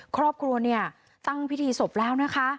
ครอบครัวเนี่ยตั้งพิธีศพแล้วนะคะ